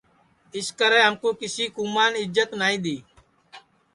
اِسکرے ہمکُو کیسی کُومان اِجت نائی دؔی